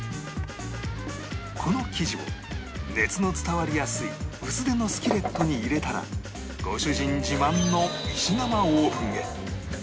この生地を熱の伝わりやすい薄手のスキレットに入れたらご主人自慢の石釜オーブンへ